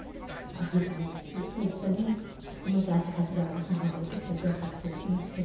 おじいちゃんと一緒にでまた榊原の母も一緒に同居していますけど。